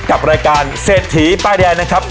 กับรายการเศรษฐีป้ายแดงนะครับ